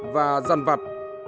và giàn vặt